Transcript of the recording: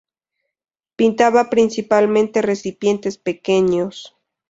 Pintaba principalmente recipientes pequeños.